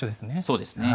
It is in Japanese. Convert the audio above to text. そうですね。